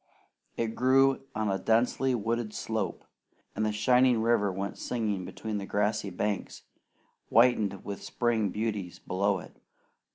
It grew on a densely wooded slope, and the shining river went singing between grassy banks, whitened with spring beauties, below it.